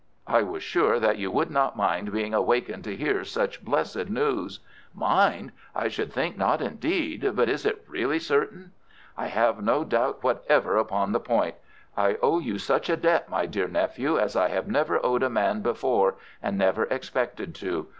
I was sure that you would not mind being awakened to hear such blessed news." "Mind! I should think not indeed. But is it really certain?" "I have no doubt whatever upon the point. I owe you such a debt, my dear nephew, as I have never owed a man before, and never expected to.